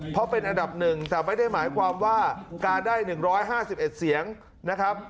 เพราะเป็นอันดับหนึ่งแต่ไม่ได้หมายความว่าการได้๑๕๑เสียงนะครับ